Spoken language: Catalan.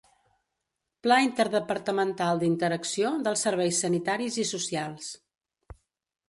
Pla interdepartamental d'interacció dels serveis sanitaris i socials.